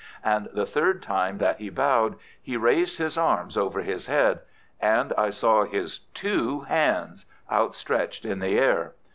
And the third time that he bowed he raised his arms over his head, and I saw his two hands outstretched in the air.